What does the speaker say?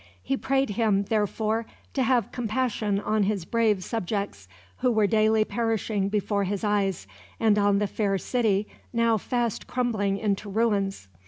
He prayed him, therefore, to have compassion on his brave subjects, who were daily perishing before his eyes, and on the fair city now fast crumbling into ruins.